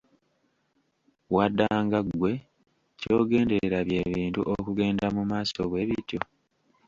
Waddanga ggwe, ky’ogenderera bye bintu okugenda mu maaso bwebityo?